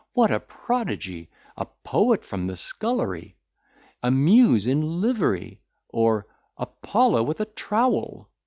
what a prodigy a poet from the scullery! a muse in livery! or, Apollo with a trowel!"